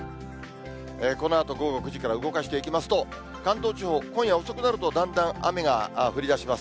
このあと午後９時から動かしていきますと、関東地方、今夜遅くなると、だんだん雨が降りだします。